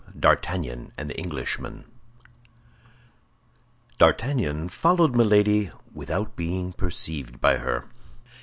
D'ARTAGNAN AND THE ENGLISHMAN D'Artagnan followed Milady without being perceived by her.